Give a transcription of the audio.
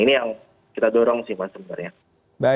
kita dorong sih mas sebenarnya